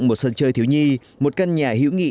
một sân chơi thiếu nhi một căn nhà hữu nghị